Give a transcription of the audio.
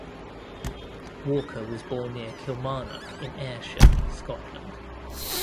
Walker was born near Kilmarnock in Ayrshire, Scotland.